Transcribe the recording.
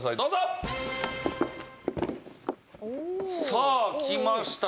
さあきました。